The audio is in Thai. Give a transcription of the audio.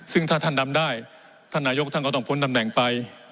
ซึ่งถ้าท่านดำได้ท่านนายกท่านก็ต้องพ้นตำแหน่งไป